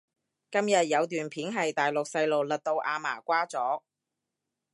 今日有段片係大陸細路勒到阿嫲瓜咗？